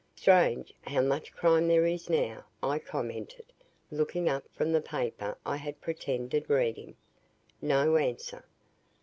"Strange, how much crime there is now," I commented, looking up from the paper I had pretended reading. No answer.